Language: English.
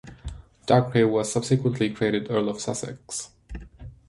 Dacre was subsequently created Earl of Sussex.